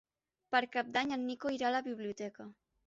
Per Cap d'Any en Nico irà a la biblioteca.